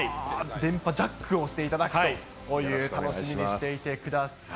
電波ジャックをしていただくという、楽しみにしていてください。